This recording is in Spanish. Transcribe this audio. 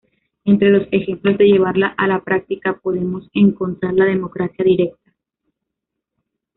Entre los ejemplos de llevarla a la práctica podemos encontrar la democracia directa.